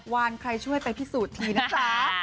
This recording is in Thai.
วานใครช่วยไปพิสูจน์ทีนะจ๊ะ